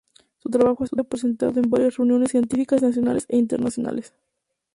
Su trabajo ha sido presentado en varias reuniones científicas nacionales e internacionales.